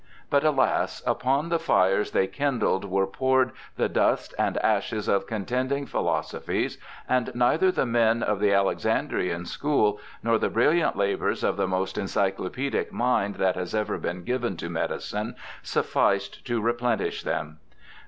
But alas ! upon the fires they kindled were poured the dust and ashes of contending philosophies, and neither the men of the Alexandrian school nor the brilliant labours of the most encyclopaedic mind that has ever been given to medicine sufficed to replenish them.